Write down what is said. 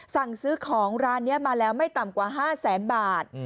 สั่งซื้อของร้านนี้มาแล้วไม่ต่ำกว่า๕แสนบาท